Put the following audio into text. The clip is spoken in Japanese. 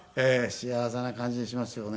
幸せな感じがしますよね。